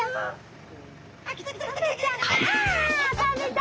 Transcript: あ食べた！